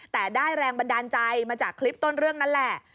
แต่ได้แรงบันดาลใจมาจากคลิปต้นเรื่องนั่นแหละ